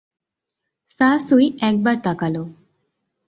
সা সুই একবার তাকাল।